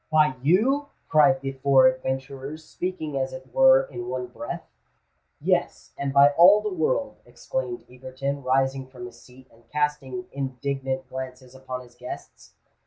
"By you!" cried the four adventurers, speaking as it were in one breath. "Yes—and by all the world," exclaimed Egerton, rising from his seat, and casting indignant glances upon his guests.